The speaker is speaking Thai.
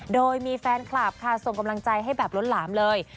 โดยมีแฟนคลับค่ะส่งกำลังใจให้แบบล้นหลามเลย